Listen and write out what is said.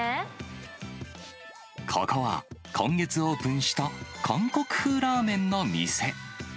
ここは、今月オープンした韓国風ラーメンの店。